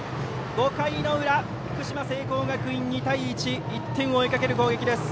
５回の裏、福島・聖光学院２対１と１点を追いかける攻撃です。